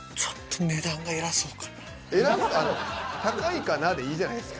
偉高いかなでいいじゃないですか。